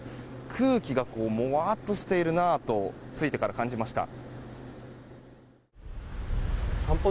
空気がもわっとしているなと着いてから感じました。